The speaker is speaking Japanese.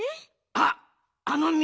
あっあのみ。